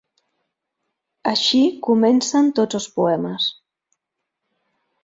Així comencen tots els poemes.